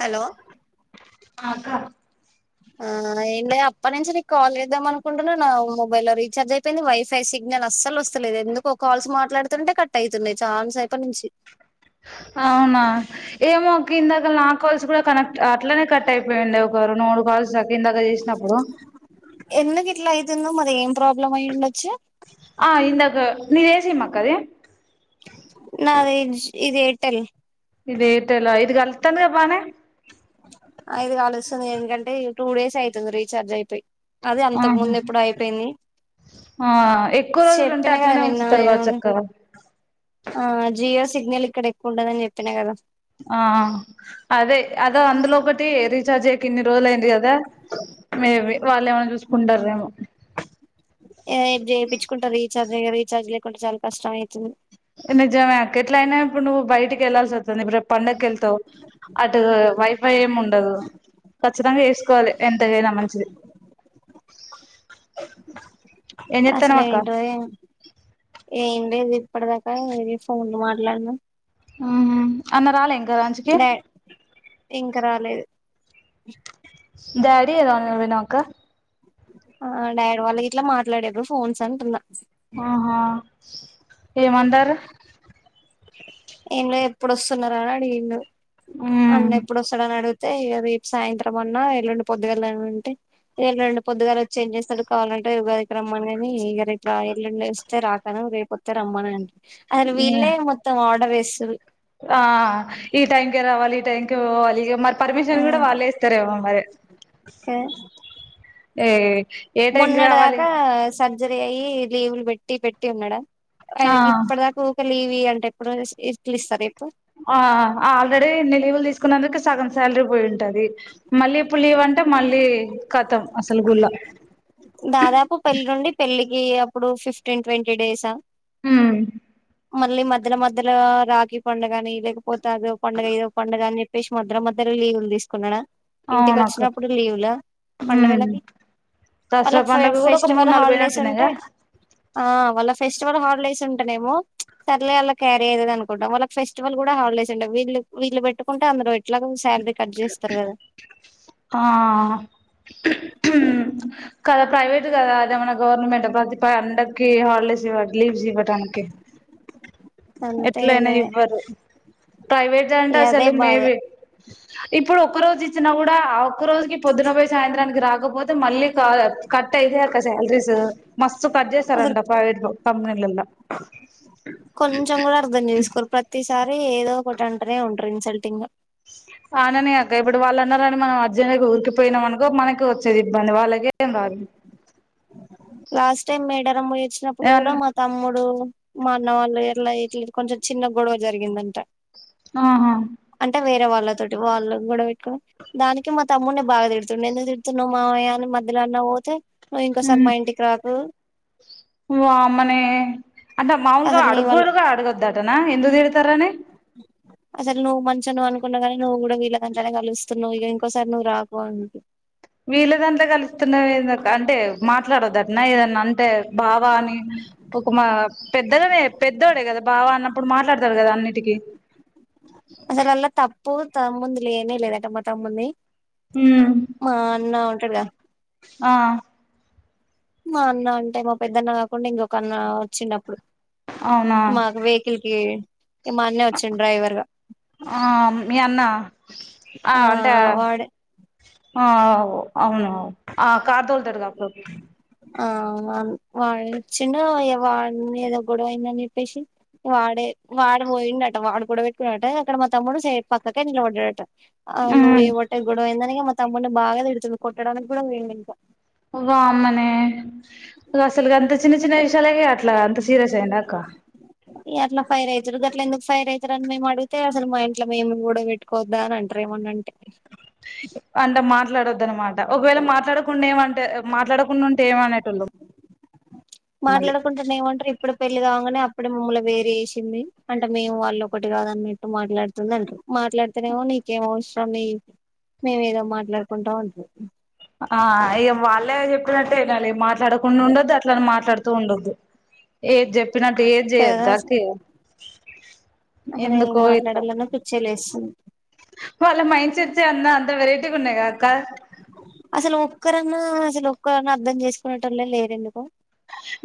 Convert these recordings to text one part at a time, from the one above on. Hello ఆ అక్క ఆ ఏం లేదు అప్పటి నుంచి నీకు కాల్ చేద్దాం అనుకుంటున్నాను నా మొబైల్ లో రీఛార్జ్ అయిపోయింది వైఫై సిగ్నల్ అస్సల్ అస్సలు వస్తలేదు ఎందుకో కాల్స్ మాట్లాడుతుంటే కట్ అయితున్నాయి చాలాసేపటినించి అవునా ఏమో అక్క ఇందాక నాకు కాల్స్ కూడా కనెక్ట్ అట్లనే కట్ అయిపోయింది ఒక రెండు మూడు కాల్స్ దాక ఇందాక చేసినప్పుడు ఎందు కిట్లా అయితుందో మరి ఏం ప్రాబ్లం అయ్యి ఉండొచ్చు అఇందకా నీది ఏ సిమ్ అక్క అది నాది ఇది ఎయిర్టెల్ ఇది ఎయిర్టెలా ఇది గలుతోంది గ బానే ఇది కలుస్తుంది ఎందుకంటే టూ డేస్ అయితుంది రీఛార్జ్ అయిపోయి అది అంతకు ముందు ఎప్పుడో అయిపోయింది హ్మ్ ఎక్కువ రోజులు ఉంటే చెప్పినా కదా అట్లనే నిన్న ఉంచుతారు నేను గాచ్చక్క ఆ జియో సిగ్నల్ ఇక్కడ ఎక్కువ ఉండదని జెప్పినా కదా ఆ అదే అద అందులో ఒకటి రీచార్జ్ జెయ్యక ఇన్ని రోలు అయింది కదా మేబి వాళ్ళు ఏమైన చూసుకుంటారేమో ఏ రేప్ జెపించుకుంటా రీచార్జ్ ఏ కద రీచార్జ్ లేకుంటే చాలా కష్టం అయితుంది నిజమేక్క ఎట్లా అయినా ఇప్పుడు నువ్వు బయటికి ఎళ్లాల్సి వస్తది రేప్ పండక్కి ఎళ్తావ్ అటు వైఫై ఎం ఉండదు ఖచ్చితంగా ఎస్కోవాలి ఎంతగైనా మంచిది ఏం అసలు చెత్తన్నావ్ అక్క ఏంటో ఏమో ఏం లేదు ఇప్పటిదాకా ఇదుగో ఫోన్లు మాట్లాడినా హ్మ్ అన్న రాలే ఇంక లంచ్ కి ఇంక రాలేదు డాడీ ఏదో అన్నారు విను అక్క ఆ డాడ్ వాళ్ళ గిట్లా మాట్లాడేరు ఫోన్స్ అంటున్నా ఏమండారు ఎం లేదు ఎప్పుడొస్తున్నార అని అడిగిండు ఉమ్ అన్న ఎప్పుడొస్తాడని అడుగు అయితే ఇగ రేపు సాయంత్రం అన్నా ఎల్లుండి పొద్దు గాల అంటే ఎల్లుండి పొదుగాల వచ్చి ఏం చేస్తాడు కావాలంటే ఉగాది రమ్మను గాని ఇగ రేపు రా ఎల్లుండి వస్తే రాకు అను రేపు పొత్తె రమ్మని అంట అరె వీళ్లే మొత్తం ఆడర్ ఎస్తరు ఆ ఈ టైం కే రావాలి ఈ టైం కే పోవాలి మరి పర్మిషన్ గూడా వాళ్ళే ఇస్తారేమో మరి కె ఏ ఏ టైంకి మున్నడిదాక రావాలి సన్ సర్జరీ అయ్యి లీవులు పెట్టి పెట్టి ఉన్నాడా ఆయన ఆ ఇప్పటి దాక లీవి అంటే ఎప్పుడు ఇట్లి ఇస్తారుజెప్పు ఆ ఆల్రెడీ ఇన్ని లీవులు తీసుకున్నందుకు సగమ్ శాలరీ పోయి ఉంటది మళ్ళీ ఇప్పుడు లీవ్ అంటే మళ్ళీ కతం అసలు గుల్ళ దాదాపు పెళ్లి ఉండి పెళ్ళికి అప్పుడు ఫిఫ్టీన్ ట్వంటీ డేసా ఉమ్ మళ్ళీ మధ్యలో మధ్యలో రాఖీ పండుగని లేకపోతే అదో పండుగ ఇదో పండుగని జెప్ ప్పెసి మధ్యలో మధ్యలో లీవులు తీసుకున్నాడా అవునక్క ఇంటికొచ్చినప్పుడు లీవులా ఉమ్ పండగలకి దసరా వాళ్ళక్ ఫే పండుగ కూడా ఒక మూడు ఫెస్టివల్ నాలుగు హాలిడేస్ పోయినట్టున్నాయిగా ఉంటాయ్ ఆ వాళ్ళ ఫెస్ స్టివల్ హాలిడేస్ ఉంటనేమో సర్లే వాళ్ళ క్యారీయ్యేది అనుకుంటాం వాళ్ళ ఫెస్టివల్ కూడా హాలిడేస్ ఉండే వీళ్ళ వీళ్ళు పెట్టుకుంటే అందరు ఎట్లా శాలరీ కట్ జేస్తారు గదా ఆ కదా ప్రైవేట్ కదా అదేమన్నా గవర్నమెంట ప్రతి పండక్కి హాల్ డె డేస్ ఇవ్వ గ్లీవ్స్ ఇవ్వటానికె ఎట్లయినా అంతేలే ఇవ్వరు ప్రైవేట్ జా అంటే ఇగ అదే అసలు బాధ మేబి ఇప్పుడు ఒక్క రోజు ఇచ్చినా గుడా ఒక్క రోజుకి పొద్దునబొయ్ సాయంత్రానికి రాకపోతే మళ్ళీ క కట్ అయితే అక్క శాలరీసు మస్తు కడ్ అసలు జెస్తారంట ప్రైవేట్ లో కంపనీలల్లో కొంచెం గూడా అర్ధం చేసుకోరు ప్రతిసారి ఏదో ఒకటి అంటనే ఉంటరు ఇన్సల్టింగా వాననే అక్క ఇప్పుడు వాళ్ళు అన్నారని మనం అర్జెంట్ గా ఊరికిపోయినాం అను గొ మనకె వచ్చేది ఇబ్బంది వాళ్ళకేం రాదు లాస్ట్ టైం మేడారం పోయొచ్చినప్పుడు కూడా మా తమ్ముడు మా అన్న వాళ్ళు ఎట్లా ఇట్ల కొంచెం చిన్న గొడవ జరిగిందంట ఆహ అంటే వేరే వాళ్ళతోటి వాళ్ళు గొడవ వెట్టుకొని దానికి మా తమ్మున్ని బాగా తిడుతుండ ఎందుకు తిడుతున్నావు మామయ్య అని ఎందులో అన్నా వోతే నువ్వు ఇంకోసారి మా ఇంటికి రాకు వామ్మనే అంటే మాములుగా అసలు నీ వల్ల అడుగ్గుడగా అడగొద్దంటనా ఎందుకు తిడతారని అసలు నువ్ మంచోనివి అనుకున్నా గానీ నువ్వు గూడా వీళ్ళకంతనే గలుస్తున్నావు ఇగ ఇంకోసారి నువ్వు రాకు అం వీళ్ళ దాంట్లో కలుస్తున్నవ్ ఎందుకు అంటే మాట్లాడొద్దంటన ఏదన్నా అన్ అంటే బావా అని [unintelligible] మా పెద్దగానే పెద్దోడే గదా బావ అన్నప్పుడు మాట్లాడతాడు గదా అన్నిటికీ పోతా ముందు లేనే లేదంట మా తమ్మున్ని మా అన్న ఉంటాడుగా ఆ మా అన్న అంటే మా పెద్దన్న గాకుండా ఇంకొక అన్న వచ్చిండ అప్పుడు అవునా మాకు వెకిల్కి ఆ మీ అన్నా ఆ అంటా వాడే ఆవ్ అవును ఆ కార్ తోలుతాడుగా అప్పుడప్పు ఆ వాళ్ వాన్నించిండా వానిది ఏదో గొడవ అయిందని జెప్పేసి వాడే వాడు పోయిండట వాడు గొడవ పెట్టుకున్నాట అక్కడ మా తమ్ముడు సేఫ్ పక్కకే నిలబడ్డాడట ఆ నువ్వు చేయబట్టే గొడవ అయిందని మా తమ్ముని తిడుతున్నాడు కొట్టడానికి కూడా పోయిండు ఇంక వామ్మనే అసలు అంత చిన్న చిన్న విషయాలకే అట్లా అంత సీరియస్ అయిండా అక్క అట్లా ఫైర్ అవుతారు గాట్ల ఎందుకు ఫైర్ అయితారు, అని మేము అడిగితే అసలు మా ఇంట్లా మేము గోడవ పెట్టుకోవాద్దా అని అంటరు. [unintelligible] వాని తోని మాట్లాడొదు అన్నమాట ఒకవేళ మాట్లాడకుండా ఏమంటే మాట్లాడకుండా ఉంటే ఏమనేటోళ్ళు, మళ్ళీ మాట్లాడుకుంటారునే ఏమంటారు ఇప్పుడు పెళ్లిగా అనే అప్పుడే మమ్మల్లు వేరు వేసింది అంటే మీము వాళ్లు ఒకటి కాద అన్నట్టు మాట్లాడుతుంది అంటారు. మాట్లాడుతేనేమో నీకేం అవసరం ని మేము ఏదో మాట్లాడుకుంటాం అంటారు. ఆ ఇగా వాళ్ళే చెప్పినట్టే వినాలి మాట్లాడకుండా ఉండద్దు, అట్లనే మాట్లాడుతూ ఉండొద్దు, [unintelligible] ఏది చెప్పినట్టు ఏది చేయొద్దా అక్క ఇగా అసలేం మాట్లాడలన పిచ్చిలేస్తుంది. వాళ్ళ మైండ్ సెట్స్ అంత, అంత వెరైటీగా ఉన్నాయి కదా అక్క అసలు ఒక్కరన్నా అసలు ఒక్కరన్నా అర్ధం చేసుకునేటోలే లేరు ఎందుకు,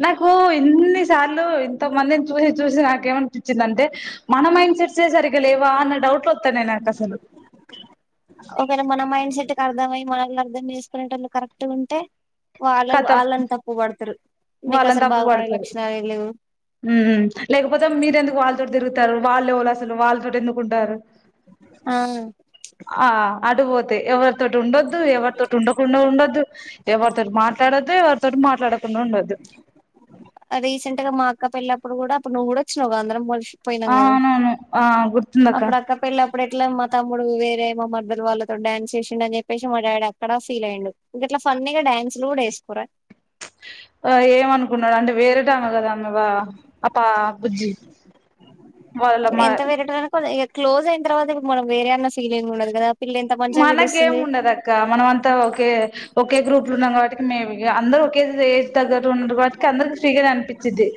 నాకు ఇన్ని సార్లు ఇంతమందిని చూసి చూసి నాకేమనిపించిందంటే మనం మైండ్ సెట్స్ సే సరిగలేవా అన్న డౌట్లు వాతనై నాకు అసలు, అర్ధం అయ్యి మనల్ని అర్థం చేసుకునేటళ్లు కరెక్ట్ గా ఉంటే, ఓ అల్ కతం అళ్ళని తప్పు బడుతారు, మీకు అసలు బాగుపడే లక్షణాలే లేవు ఉ లేకపోతే మీరు ఎందుకు వాళ్ళతో తిరుగుతారు, వాళ్ళు ఎవళ్ళు అసలు వాళ్ళతో ఎందుకు ఉంటారు. ఆ అటుపోతే ఎవరితోటి ఉండొదు, ఎవరితోటి ఉండకుండా ఉండొద్దు ఎవరితో ఎవరితో మాట్లాడొద్దు ఎవరితో మాట్లాడకుండా ఉండోదు. రీసెంట్ గా మా అక్క పెళ్లిప్పుడు కూడా అప్పుడు నువ్వు కూడా వచ్చినావు కదా కలిసి పోయిన్నాం ఆ కదా అవునవును ఆ గుర్తుందక్క అప్పుడు అక్క పెళ్లి అప్పుడు ఎట్లైనా తమ్ముడు వేరే మా మరదలు వాళ్ళతో డాన్స్ చేసిండ, అని చెప్పసి మా డాడీ అక్కడ ఫీల్ అయ్యిండు, గిట్లా ఫన్నీ గా డాన్స్ లో కూడా వేసుకోర వాళ్ళు ఎంఅనుకునారంటే వేరేటమా కదా అన్ని ఉన్నదా పాప బుజ్జి వాళమా క్లోజు అయిన తర్వాత ఇంకా మనం వేరే అన్న ఫీలింగ్ ఉండదు కదా, పిల్ల ఎంత మంచిగా మనకేం పిలుస్తుంది ఉండదు అక్క మనం అంతా ఒకే ఒకే గ్రూప్లు ఉన్నాం కాబట్టి మే ఇగ అందరు ఒకే ఏజీ దగ్గరలో ఉన్న వాటికి అందరి ఫ్రీగానే అనిపిచిది,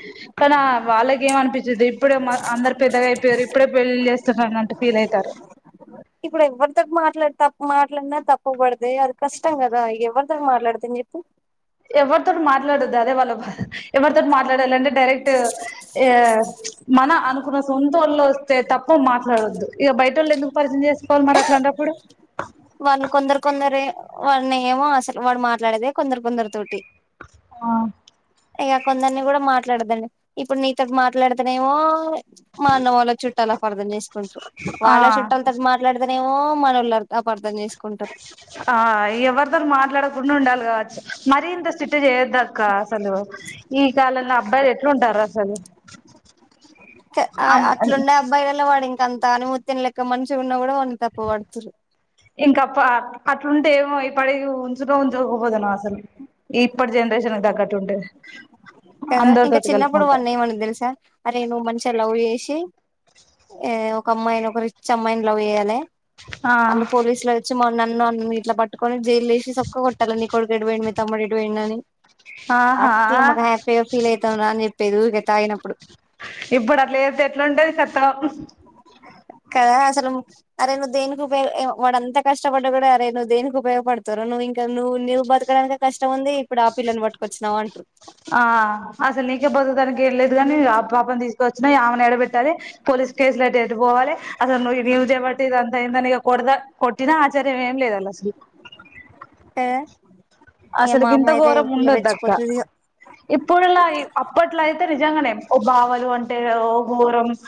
కానీ వాళ్ళకి ఏం అనిపించింది ఇప్పుడే మన అంద, పెద్దగా అయిపోయారు ఇప్పుడే పెళ్లిలు చేస్తున్నాటు ఫీల్ అయితారు. ఇప్పుడు ఎవరితో మా మాట్లా తప్పు మాట్లాడినా తప్పుబడితే అది కష్టం కదా ఎవరితోని మాట్లాడతం చెప్పు ఎవరితోటి మాట్లాడద్దు అదే వాళ్ళ బాధ ఎవరితోటి మాట్లాడాలంటే, కరెక్ట్ ఎ మన అను అకున్న సొంత వొళ్ళు వస్తే తప్ప మాట్లాడొద్దు ఇక బయట వాళ్ళు ఎందుకు పరిచయం చేసుకోవాలి మరి అట్లాటప్పుడు, వాళ్ళు కొందరు కొందరు వాళని ఏమో అసలు వాడు మాట్లాడేదే కొందరు కొందరి తోటి ఆ ఇక కొందరిని కూడా మాట్లాడదండి ఇప్పుడు నీతో మాట్లాడుతనేమో, మా అన్న వాళ్ళ చుట్టాలు అపార్థం చేసుకుంట్రరు ఆ వాళ్ళ చుట్టాలతోటి మాట్లాడతేనేమో, మనోళ్లు అపార్థం చెస్ ఆ ఇగ ఎవరితోని మాట్లాడకుండా ఉండాలి కావచ్చు మరి ఇంత సిట్ చేయొద్ద అక్క అసలు ఈ కాలంలో అబ్బాయిలు ఎట్లుంటారు. అసలు కా ఆ అమ్ అట్లుండే అబ్బాయిలలో వాడు ఇంక అంత అనిమూతైం లెక్క మంచి ఉన్నా కూడా తప్పు పడుతురు ఇంకా పా కట్ అట్లుంటే ఏమో ఇప్పటి ఉంచులో ఉంచుకోకపోతనో అసలు ఇప్పటి జనరేషన్ తగ్గట్టుంటే, కదా ఇంకా చిన్నప్పుడు వన్నెమను తెలుసా అరే నువ్వు మంచిగా లవ్ చేసి ఏ ఒక అమ్మాయిని ఒక రిచ్ అమ్మాయిని లవ్ చేయ్యాలే, ఆ ఆళ్ల్లు పోలీసులు అయి వచ్చి మొన్న నన్ను ఇట్లా పట్టుకొని జైలు ఏసి సొక్క కొట్టాలి నీ కొడుకు ఎటు పోయిండు మీ తమ్ముడు ఎటు పోయిండు అని ఆహా అట్లా మాకు హ్యాపీగా ఫీల్ అయితాం రా అని చెప్పేది ఊకె తాగినప్పుడు ఇప్పుడు అట్లా చేస్తే ఎట్లుంటది సక్కగా కదా అసలు అరే నువు దేనికి ఉపయోగ వాడంతా కష్టపడ్డా కూడా అరే నువ్వు దేనికి ఉపయోగపడతవూర నువు ఇంకా నువ్వు నువు బతకడానికే కష్టం ఉంది ఇప్పుడు ఆ పిల్లను పట్టుకొచ్చినావ అంటరు ఆ అసలు నీకే బతకడానికి ఏం లేదు, కాని ఆ పాపను తీసుకొచ్చినావ్ ఆ డబేట్టాలే పోలీస్ కేసులైతే ఏటు పోవాలే అసలు నువు చేయవట్టే ఇదంత అయిందని ఇగ కొడుత కొ ట్టినా ఆచార్యాం ఏం లేదు అల అసలు కదా ఇక మా అసలుకి అమ్మ గింత అయితే ఘోరం ఫుల్ ఉండద్దక్క రెచ్చిపోతది ఇప్పుడులా అప్పట్లో అయితే నిజంగానే ఓ బావలు అంటే ఓ గోరమ్స్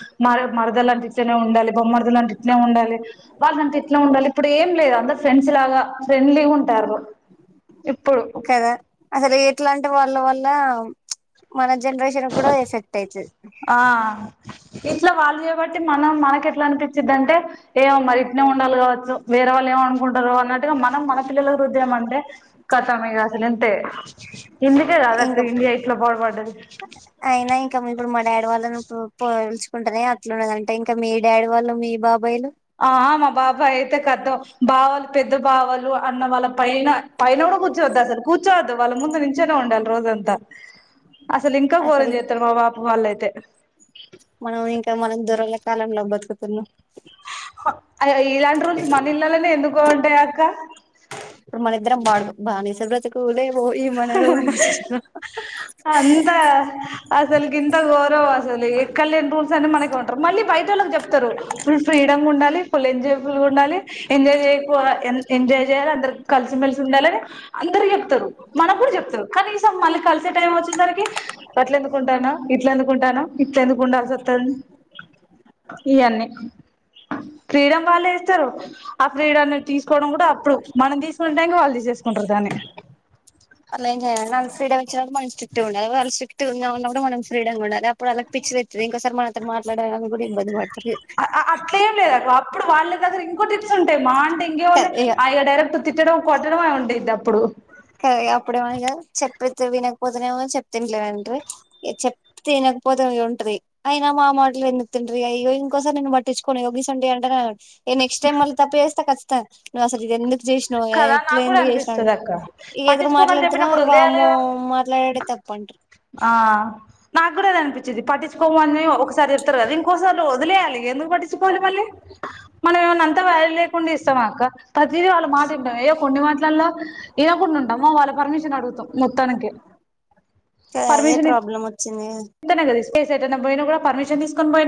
మరదలు అంటె ఇట్లనే ఉండాలే, బామర్దులు అంటే ఇట్నే ఉండాలే వాళ్ళంటే ఇట్లానే ఉండాలి ఇప్పుడు ఏం లేదు అందరు ఫ్రెండ్స్ లాగా ఫ్రెండ్లీగా ఉంటారు ఇప్పుడు కదా అసలు ఎట్లాంటె వాళ్ళ వల్ల మన జనరేషన్ కూడా ఎఫెక్ట్ అయితది ఇంట్లో వాళ్ళు ఏమంటే మనం మాకెట్లా అనిపించిదాంటే ఏమో మరి ఇట్నే ఉండాలి కావచ్చు వేరే వాళ్ళు ఏమనుకుంటారో అన్నట్గా మనం మన పిల్లల రుద్దినం అంటే కథం ఇగ అసలు ఇంతే ఇందుకే కద ఇంకా ఇండియా ఇట్ల పాడు పడ్డది అయినా ఇంకా ఇప్పుడు మా డాడీ వాళ్ళను పోల్చుకుంటనే అట్లున్నదంటే ఇంకా మీ డాడీ వాళ్ళు, మీ బాబాయిలు ఆ మా బాబాయి అయితే కతం బావాలు పెద్ద బావాలు అన్న వాళ్ళ పైన పైన కూర్చోద్దు అసలు కూర్చోవద్దు వాళ్ళ ముందు నుంచేనే ఉండాలి రోజంతా అసలు ఇంకా ఘోరం అసలు చేత్తరు మా బాపు వాళ్ళు అయితే మనం ఇంకా మనం దొరల కాలంలో బతుకుతున్నాం అయిన ఇలాంటి రూల్స్ మన ఇళ్లలోనే ఎందుకు ఉంటాయి అక్క ఇప్పుడు మనిద్రం బా బానిసబ్రతకులే మనలో అంత అసలుకి ఇంత గోరం అసలు ఎక్కల్లేని రూల్స్ అన్ని మనకె ఉంటారు మళ్ళీ బైటోళ్ళకు చెప్తారు ఫుల్ ఫ్రీడమ్ గా ఉండాలి ఫుల్ ఎంజాయిబుల్ గా ఉండాలి ఎంజాయ్ చేయిపో ఎన్ ఎంజాయ్ [unintelligible] అందరు కలిసిమెలిసి ఉండాలి అందరికి జెప్తరు, మనక్కూడా జెప్తరు కనీసం మళ్ళి కలిసే టైం వచ్చేసరికి అట్ల ఎందుకుంటనవ్ ఇట్ల ఎందుకుంటనవ్ ఇట్ల ఎందుకు ఉండాల్సి వత్తంది ఇయన్నీ ఫ్రీడమ్ వాళ్లే ఇస్తరు ఆ ఫ్రీడమ్ ని తీసుకు కోవడం కూడా అర్థు మనం తీసుకునె టైమ్ కి వాళ్ళు తీసేసుకుంటరు దాన్ని అట్ల ఏం జేయరు నాక్ ఫ్రీడమ్ వచ్చినప్పటి నుంచి స్ట్రిట్ గుండాలే వాళ్ స్ట్రిట్ గుందాం అన్నపుడు మనం ఫ్రీడమ్ గుండాలే అపుడు ఆళ్లకు పిచ్చిలేతది ఇంకోసారి మనతోన్ మాట్లాడడానికి గూడా ఇబ్బంది పడ్ అ అ అట్లేం లేదు అక్క అప్పుడు వాళ్ళ దగ్గర ఇంకో టిప్స్ ఉంటాయి. మా అంటే ఇంకేముంది ఇగ అయ డైరెక్ట్ తిట్టడం కొట్టడమే ఉండేది అప్పుడు క అప్పుడేమొ ఇగ చెప్పితే వినకపోతేనేమో చెప్ప ఇంట్లేదాంట్రీ ఇగ చెప్తే ఇగ పోత ఇగ ఉంట్రీ అయినా మా మాటలు ఎందుకింట్రీ ఇగో ఇంకోసారి నిన్ను పట్టించుకోనిగ గిసొంటియంటనా ఇగ నెక్స్ట్ టైం మళ్ళ తప్పు జెస్తే ఖచ్చితంగా నువ్వు అసలు ఇ ఎందుకు జేషినవ్ కదా ఏట్ల నాకు కూడా ఎందుకు చేసినావ్ అనిపిస్తది అక్క ఇగ ఎదురు పట్టించుకోనని మాట్లాడితేనేమో చెప్పినప్పుడు వదిలేయాలి వామ్మో కదా మాట్లాడితప్పంటరు నాక్కూడా అదే అనిపిత్ ది పట్టిచుకోవని ఒకసారి చెప్తరు కానీ ఇంకోసారి వదిలేయాలి ఎందుకు పట్టిచుకోవాలి మళ్ళీ మన ఏమన్నా అంతా వాల్యూ లేకుండా ఇస్తామ అక్క ప్రతిదీ వాళ్ళ మాట ఇన్ ఏయో కొన్ని మాట్లల్లో ఇనకుండా ఉంటమ వాళ్ళ పర్మిషన్ అడుగుతాం మొత్తానికి క అదే ప్రాబ్లమ్ వచ్ ఇంతనే కద స్పేస్ ఎటన బోయినా గూడా పర్మిషన్ తీసుకొని బోయినా